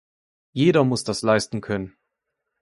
Jeder muss das leisten können!